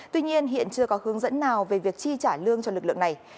tuy nhiên hiện chưa có hướng dẫn nào về việc chi trả lương cho lực lượng này